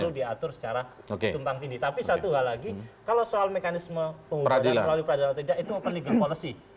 tapi satu hal lagi kalau soal mekanisme pengubah dan kewawasan peradilan atau tidak itu akan legal policy